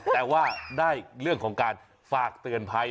แต่ว่าได้เรื่องของการฝากเตือนภัย